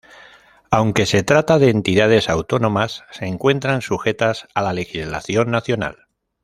Aunque se trata de entidades autónomas, se encuentran sujetas a la legislación nacional.